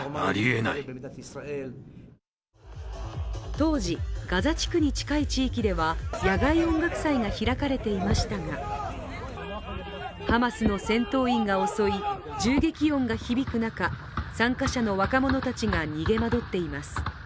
当時ガザ地区に近い地域では野外音楽祭が開かれていましたがハマスの戦闘員が襲い銃撃音が響く中、参加者の若者たちが逃げ惑っています。